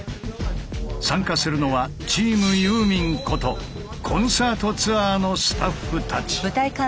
参加するのは「チームユーミン」ことコンサートツアーのスタッフたち。